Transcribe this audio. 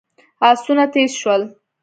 آسونه تېز شول.